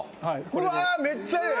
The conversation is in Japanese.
うわめっちゃええ！